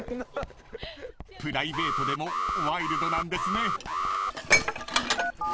［プライベートでもワイルドなんですね］